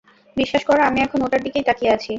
বিশ্বাস করো, আমি এখন ওটার দিকেই তাকিয়ে আছি!